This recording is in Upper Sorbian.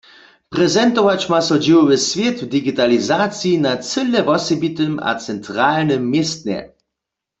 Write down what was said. Prezentować ma so dźěłowy swět w digitalizaciji na cyle wosebitym a centralnym městnje.